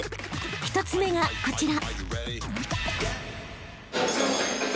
［一つ目がこちら］